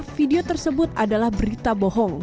video tersebut adalah berita bohong